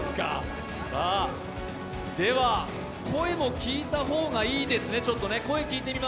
では、声も聞いた方がいいですね。